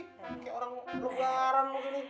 kayak orang berbaran lo